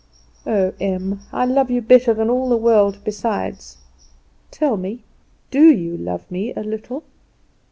"Oh, Em, I love you better than all the world besides! Tell me, do you love me a little?"